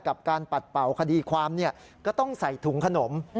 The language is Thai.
กับการปัดเป่าคดีความก็ต้องใส่ถุงขนม